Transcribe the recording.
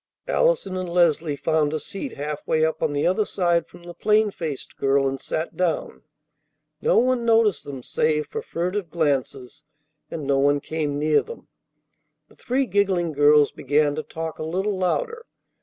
Allison and Leslie found a seat half way up on the other side from the plain faced girl, and sat down. No one noticed them save for furtive glances, and no one came near them. The three giggling girls began to talk a little louder.